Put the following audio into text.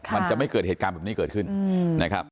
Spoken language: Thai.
มันจะไม่เกิดเหตุการณ์แบบนี้เกิดขึ้นนะครับ